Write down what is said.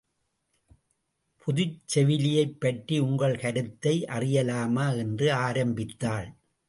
புதுச் செவிலியைப் பற்றி உங்கள் கருத்தை அறியலாமா? என்று ஆரம்பித்தாள்.